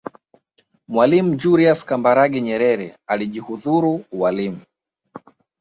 mwalimu julius kambarage nyerere alijihudhuru ualimu